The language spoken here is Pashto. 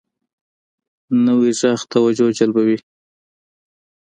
نوی غږ توجه جلبوي